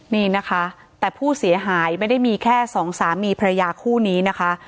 นี่นะคะแต่ผู้เสียหายไม่ได้มีแค่สองสามีภรรยาคู่นี้นะคะ